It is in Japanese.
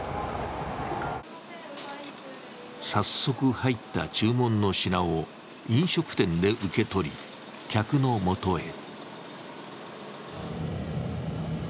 早速、入った注文の品を飲食店で受け取り、客のもとへ。